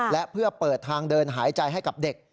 และเพื่อเปิดทางเดินหายใจให้กับเด็ก